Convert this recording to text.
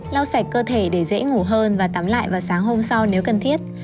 lau sạch cơ thể để dễ ngủ hơn và tắm lại vào sáng hôm sau nếu cần thiết